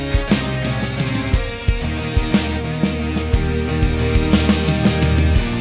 apanya tuh ini